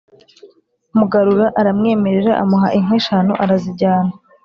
mugarura aramwemerera, amuha inka eshanu, arazijyana.